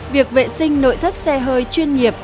việc vệ sinh nội thất xe hơi chuyên nghiệp